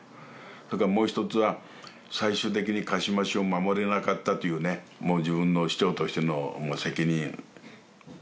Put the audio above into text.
それからもう一つは最終的に鹿島市を守れなかったというねもう自分の市長としての責任ですよね。